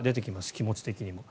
気持ち的にも。